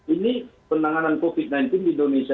ini penanganan covid sembilan belas di indonesia